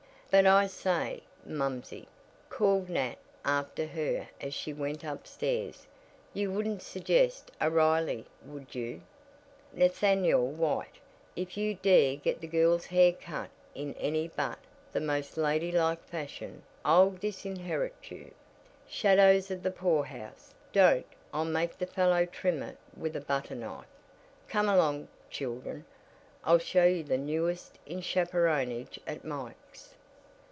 "But I say, momsey," called Nat after her as she went upstairs, "you wouldn't suggest a 'Riley,' would you?" "Nathaniel White, if you dare get that girl's hair cut in any but the most lady like fashion I'll disinherit you!" "Shadows of the poorhouse! Don't! I'll make the fellow trim it with a butter knife. Come along, children. I'll show you the newest in chaperonage at Mike's!"